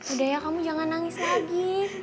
udah ya kamu jangan nangis lagi